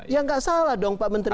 ya nggak salah dong pak menteri